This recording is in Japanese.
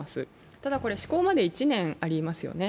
ただ、施行まで１年ありますよね